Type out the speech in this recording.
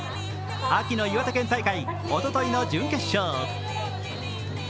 秋の岩手県大会、おとといの準決勝。